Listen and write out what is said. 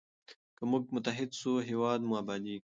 که موږ متحد سو هېواد مو ابادیږي.